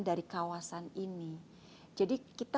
maka kita tidak akan dihitung lagi sebagai kekuatan